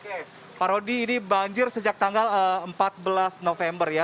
oke pak rodi ini banjir sejak tanggal empat belas november ya